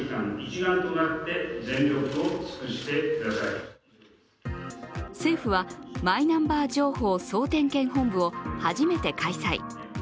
相次ぐトラブルを受け政府は、マイナンバー情報・総点検本部を初めて開催。